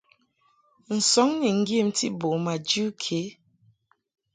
Nsɔŋ ni ŋgyemti bo ma jɨ ke.